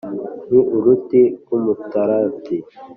ni uruti rw’umutarati